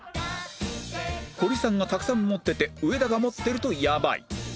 堀さんがたくさん持ってて上田が持ってるとやばい